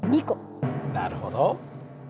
なるほど。